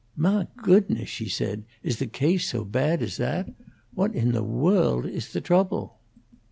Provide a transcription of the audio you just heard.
"Mah goodness," she said, "is the case so bad as that? What in the woald is the trouble?"